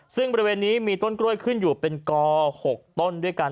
ซึ่งบริเวณนี้มีต้นกล้วยขึ้นอยู่เป็นกอ๖ต้นด้วยกัน